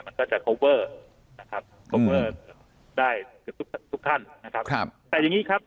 มันก็จะนะครับได้ทุกท่านนะครับครับแต่อย่างงี้ครับ